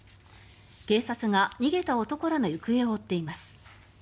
警察が逃げた男らの行方を追っています。